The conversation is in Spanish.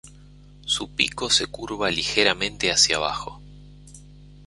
Su pico se curva ligeramente hacia abajo.